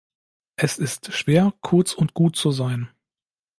Es ist schwer, kurz und gut zu sein.